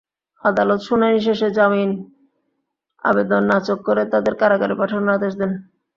আদালত শুনানি শেষে জামিন আবেদন নাকচ করে তাঁদের কারাগারে পাঠানোর আদেশ দেন।